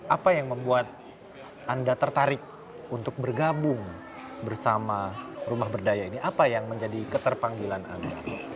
apa yang membuat anda tertarik untuk bergabung bersama rumah berdaya ini apa yang menjadi keterpanggilan anda